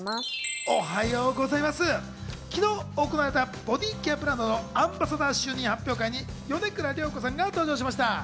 昨日、行われたボディーケアブランドのアンバサダー就任発表会に米倉涼子さんが登場しました。